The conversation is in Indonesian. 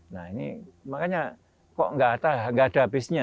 nah ini makanya kok gak ada gak ada abisnya